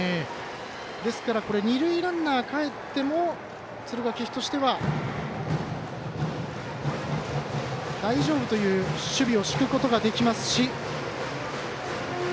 二塁ランナーかえっても敦賀気比としては大丈夫という守備を敷くことができます。